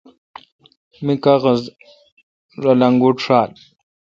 می قاغذرل انگوٹ ݭال۔